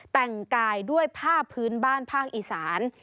แต่งกายด้วยผ้าพื้นบ้านภาคอีสาน